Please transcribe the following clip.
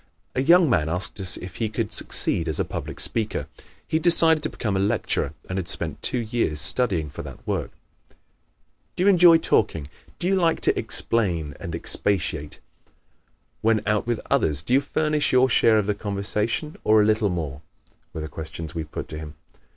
A young man asked us if he could succeed as a public speaker. He had decided to become a lecturer and had spent two years studying for that work. "Do you enjoy talking? Do you like to explain and expatiate? When out with others do you furnish your share of the conversation or a little more?" were the questions we put to him.